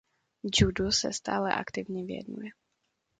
Judu se stále aktivně věnuje.